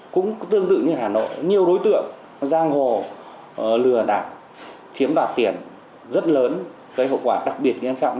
cũng tương tự như hà nội nhiều đối tượng giang hồ lừa đảo chiếm đoạt tiền rất lớn gây hậu quả đặc biệt nghiêm trọng